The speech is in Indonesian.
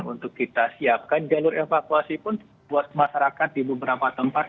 untuk kita siapkan jalur evakuasi pun buat masyarakat di beberapa tempat